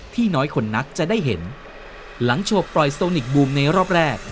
น้อยคนนักจะได้เห็นหลังโชว์ปล่อยโซนิกบูมในรอบแรก